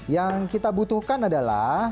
yang kita butuhkan adalah